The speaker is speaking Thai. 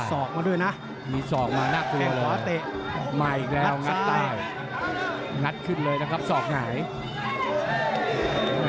มีสอกมาด้วยนะมีสอกมาน่ากลัวงัดสายงัดขึ้นเลยนะครับสอกไหง